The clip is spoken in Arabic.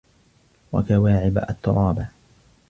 وَكَواعِبَ أَترابًا